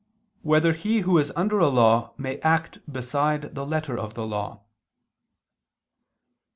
6] Whether He Who Is Under a Law May Act Beside the Letter of the Law?